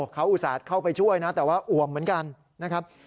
เขาอุตส่าห์เข้าไปช่วยนะแต่ว่าอ่วมเหมือนกันนะครับ